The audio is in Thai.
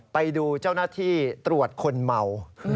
ไปดูเจ้าหน้าที่ตรวจคนเมา